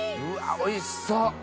うわおいしそう！